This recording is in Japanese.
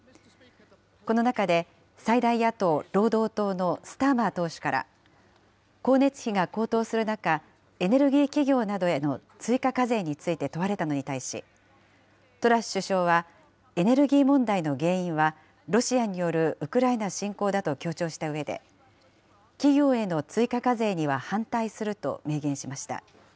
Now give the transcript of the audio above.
この中で、最大野党・労働党のスターマー党首から、光熱費が高騰する中、エネルギー企業などへの追加課税について問われたのに対し、トラス首相は、エネルギー問題の原因は、ロシアによるウクライナ侵攻だと強調したうえで、企業への追加課税には反対すると明言しました。